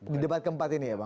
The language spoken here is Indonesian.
di debat keempat ini ya bang